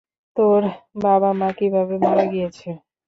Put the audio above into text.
তোর বাবা-মা কীভাবে মারা গিয়েছে?